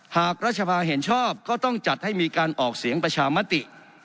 หากรัฐสภาเห็นชอบก็ต้องจัดให้มีการออกเสียงประชามติ